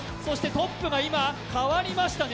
トップが今、かわりましたね。